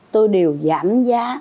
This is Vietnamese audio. tôi đều giảm giá